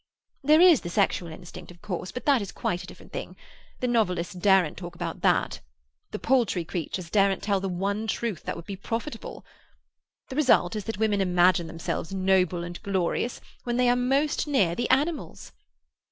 There is the sexual instinct, of course, but that is quite a different thing; the novelists daren't talk about that. The paltry creatures daren't tell the one truth that would be profitable. The result is that women imagine themselves noble and glorious when they are most near the animals.